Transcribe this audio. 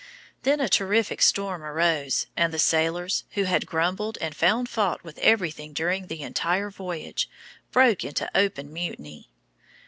Then a terrific storm arose, and the sailors, who had grumbled and found fault with everything during the entire voyage, broke into open mutiny.